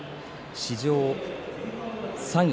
史上３位。